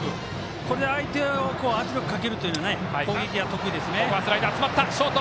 これで相手に圧力をかける攻撃が得意ですね。